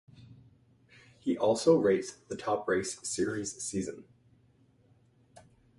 He also race the Top Race Series season.